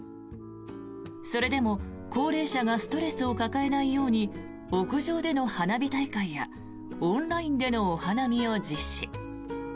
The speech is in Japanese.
それでも、高齢者がストレスを抱えないように屋上での花火大会やオンラインでのお花見を実施。